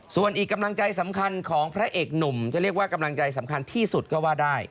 ส่วนอีกกำลังใจสำคัญของพระเอกหนุ่มจะเรียกว่ากำลังใจสำคัญที่สุดก็ว่าได้